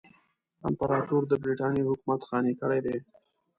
امپراطور د برټانیې حکومت قانع کړی دی.